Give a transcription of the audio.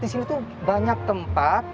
disini tuh banyak tempat